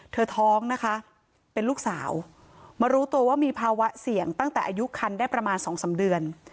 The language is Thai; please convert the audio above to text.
ท้องนะคะเป็นลูกสาวมารู้ตัวว่ามีภาวะเสี่ยงตั้งแต่อายุคันได้ประมาณ๒๓เดือน